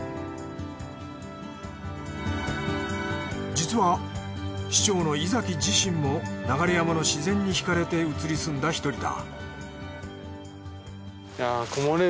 実は市長の井崎自身も流山の自然にひかれて移り住んだ１人だ